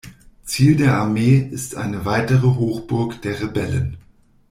Ziel der Armee ist eine weitere Hochburg der Rebellen.